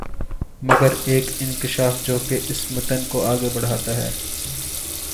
مگر ایک انکشاف جو کہ اس متن کو آگے بڑھاتا ہے